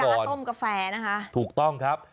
เป็นการต้มกาแฟนะคะถูกต้องครับ